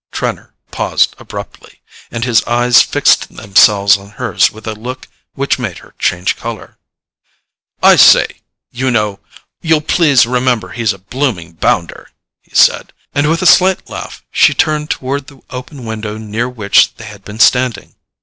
Trenor paused abruptly, and his eyes fixed themselves on hers with a look which made her change colour. "I say, you know—you'll please remember he's a blooming bounder," he said; and with a slight laugh she turned toward the open window near which they had been standing.